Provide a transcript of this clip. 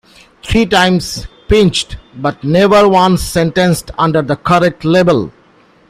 Three times pinched, but never once sentenced under the correct label.